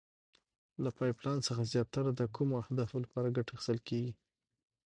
له پایپ لین څخه زیاتره د کومو اهدافو لپاره ګټه اخیستل کیږي؟